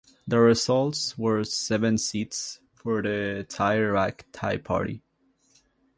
The results were seven seats for the Thai Rak Thai Party.